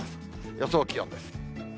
予想気温です。